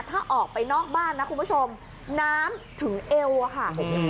ถ้าออกไปนอกบ้านนะคุณผู้ชมน้ำถึงเอวอะค่ะ